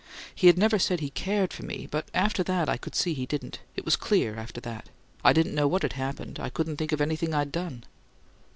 He'd never said he CARED for me, but after that I could see he didn't. It was clear after that. I didn't know what had happened; I couldn't think of anything I'd done.